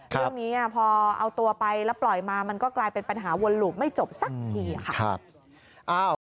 เรื่องนี้พอเอาตัวไปแล้วปล่อยมามันก็กลายเป็นปัญหาวนหลูบไม่จบสักทีค่ะ